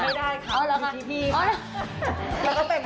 ไม่ได้ค่ะมีที่พี่ค่ะ